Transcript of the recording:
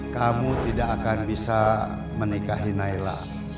kamu tidak akan bisa menikahi naila